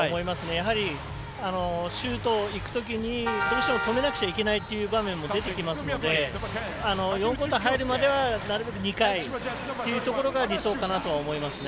やはり、シュートいくときにどうしても止めなきゃいけないという場面も出てくるので４クオーター入るまではなるべく２回というのが理想かなとは思いますね。